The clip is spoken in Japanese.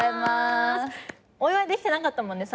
お祝いできてなかったもんね。